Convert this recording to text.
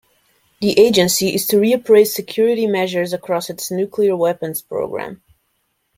The agency is to reappraise security measures across its nuclear weapons program.